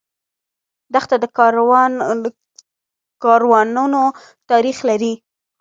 دښته د کاروانونو تاریخ لري.